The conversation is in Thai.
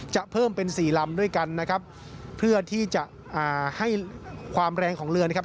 เพิ่มเป็นสี่ลำด้วยกันนะครับเพื่อที่จะอ่าให้ความแรงของเรือนะครับ